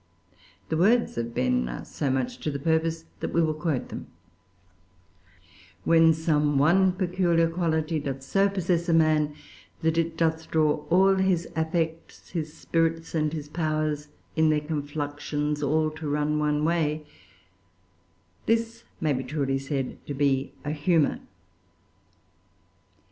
The words of Ben are so much to the purpose that we will quote them:— "When some one peculiar quality Doth so possess a man, that it doth draw All his affects, his spirits, and his powers, In their confluxions all to run one way, This may be truly said to be a humour."